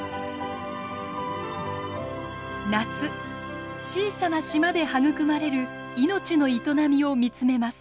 夏小さな島で育まれる命の営みを見つめます。